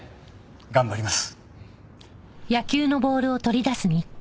頑張ります。